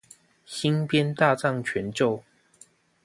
新編大藏全咒